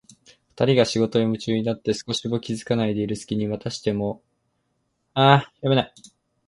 ふたりが仕事にむちゅうになって少しも気づかないでいるすきに、またしても板戸の一枚が、音もなくスーッと細めにひらき、そこから見おぼえのある顔が、